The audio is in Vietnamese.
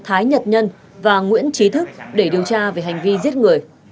thái nhật nhân và nguyễn trí thức để điều tra về hành vi giết người